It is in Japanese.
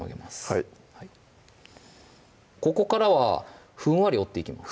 はいここからはふんわり折っていきます